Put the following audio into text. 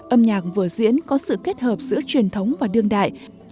âm nhạc vừa diễn có sự kết hợp giữa truyền thống và đương đại